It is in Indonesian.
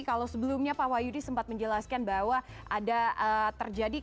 kalau sebelumnya pak wahyudi sempat menjelaskan bahwa ada terjadi